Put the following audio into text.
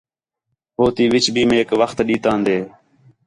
ہو تی وِچ بھی میک وخت ݙِتّیان٘دے